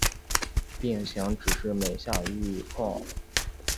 病情只是每下愈况